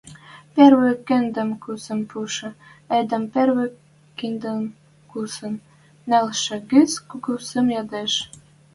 Перви киндӹм кӱсӹн пушы эдем перви киндӹм кӱсӹн нӓлшӹ гӹц кӱсӹн ядеш.